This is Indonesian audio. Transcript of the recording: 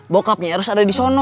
bapaknya eros ada di sana